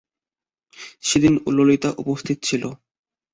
সেদিন ললিতা উপস্থিত ছিল।